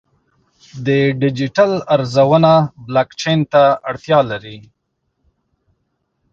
د ډیجیټل ارزونه بلاکچین ته اړتیا لري.